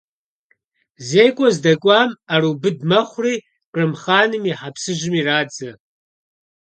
ЗекӀуэ здэкӀуам, Ӏэрыубыд мэхъури, Кърым хъаным и хьэпсыжьым ирадзэ.